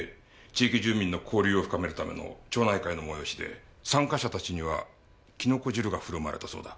地域住民の交流を深めるための町内会の催しで参加者たちにはキノコ汁が振る舞われたそうだ。